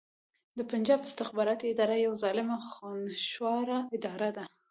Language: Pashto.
د پنجاب استخباراتې اداره يوه ظالمه خونښواره اداره ده